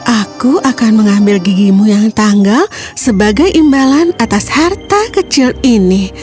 aku akan mengambil gigimu yang tanggal sebagai imbalan atas harta kecil ini